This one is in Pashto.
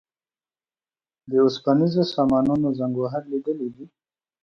د اوسپنیزو سامانونو زنګ وهل لیدلي دي.